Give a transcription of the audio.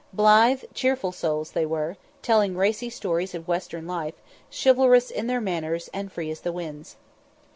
Blithe, cheerful souls they were, telling racy stories of Western life, chivalrous in their manners, and free as the winds.